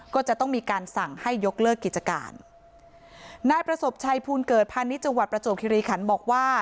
ก็จะต้องมีการสั่งให้ยกเลิกกิจการนายประสบชัยภูลเกิดพาณิชย์จังหวัดประจวบคิริขันบอกว่า